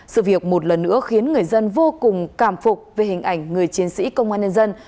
sự việc một lần nữa khiến người dân vô cùng cảm phục về hình ảnh người chiến sĩ công an nhân dân